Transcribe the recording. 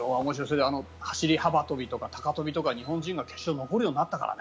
で、走幅跳とか高跳びとかで日本人が決勝に残るようになったからね。